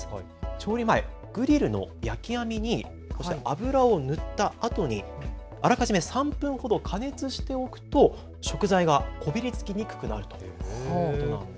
調理前、グリルの焼き網に油を塗ったあとにあらかじめ３分ほど加熱しておくと食材がこびりつきにくくなるということなんです。